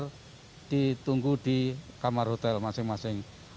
jadi tunggu di kamar hotel masing masing